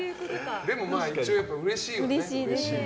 でも一応、うれしいよね。